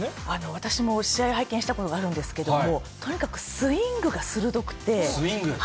私も試合、拝見したことがあるんですけども、とにかくスイングが鋭くて。